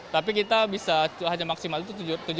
tapi kita bisa hanya maksimal itu tujuh